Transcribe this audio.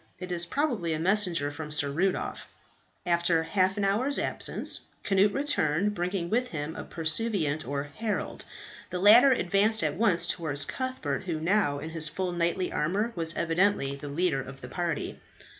It is probably a messenger from Sir Rudolph." After half an hour's absence, Cnut returned, bringing with him a pursuivant or herald. The latter advanced at once towards Cuthbert, who, now in his full knightly armour, was evidently the leader of the party.